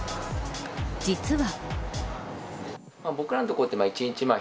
実は。